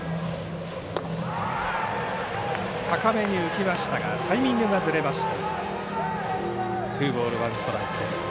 高めに浮きましたがタイミングがずれました。